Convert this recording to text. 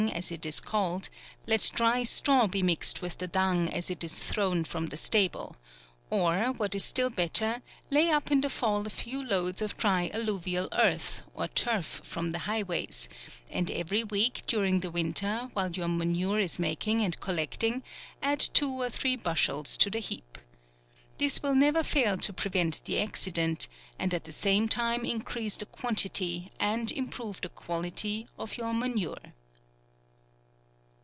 as it is called, let dry »traw be mixed with the dung as it is thrown from the stable ; or, what is still belter, lay up in the fall a few loads of dry alluvial earth, or turf from the highways, and every week, during the winter, while your manure is making and collecting, add two or three C 26 FEBRUARY. bushels to the heap. This will never fail to prevent the accident, and at the same time increase the quantity, and improve the quali ty, of your manure.